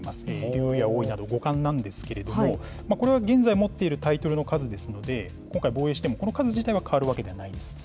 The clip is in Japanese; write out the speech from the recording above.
竜王や王位など五冠なんですけれども、これは現在持っているタイトルの数ですので、今回、防衛してもこの数自体は変わるわけではないんです。